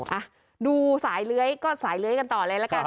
อ่ะดูสายเลื้อยก็สายเลื้อยกันต่อเลยละกัน